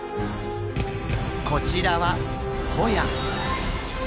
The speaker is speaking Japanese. こちらはホヤ。